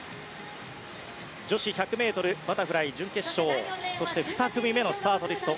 女子１００ｍバタフライ準決勝そして、２組目のスタートリスト